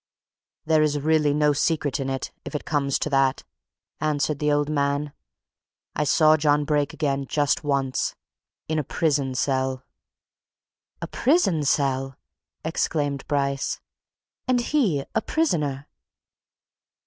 "There is really no secret in it if it comes to that," answered the old man. "I saw John Brake again just once. In a prison cell!" "A prison cell!" exclaimed Bryce. "And he a prisoner?"